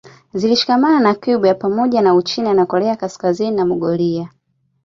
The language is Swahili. Zilishikamana Cuba pamoja na Uchina na Korea ya Kaskazini na Mongolia